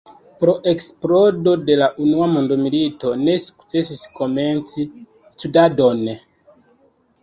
Pro eksplodo de la unua mondmilito ne sukcesis komenci studadon.